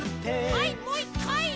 はいもう１かい！